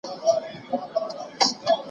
ملالۍ دغه غیرت وو ستا د وروڼو؟